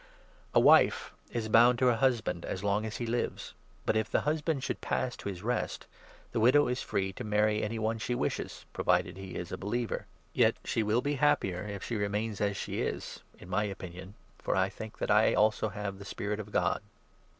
A wife is bound to her husband as long as he lives ; but, if 39 the husband should pass to his rest, the widow is free to marry any one she wishes, provided he is a believer. Yet 40 318 I. CORINTHIANS, 7—9. she will be happier if she remains as she is — in my opinion, for I think that I also have the Spirit of God.